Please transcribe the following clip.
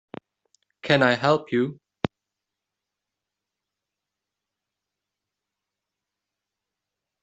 Can I help you?